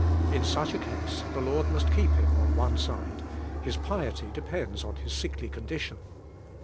In such a case the Lord must keep him on one side; his pasty depends en his sickly condition.